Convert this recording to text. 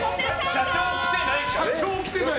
社長来てない。